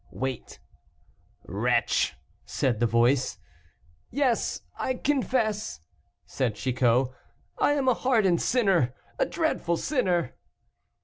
"Wait." "Wretch!" said the voice. "Yes, I confess," said Chicot; "I am a hardened sinner, a dreadful sinner."